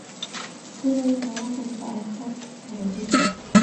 توره یې راواخیستله او پټ رهي شو.